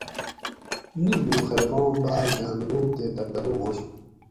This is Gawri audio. مِیڄ موں خلقاں باۤر گاۤن رعب تے دبدبہ ہوانش